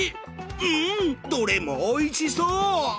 うんどれもおいしそう！